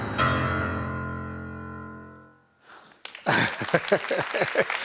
ハハハハ。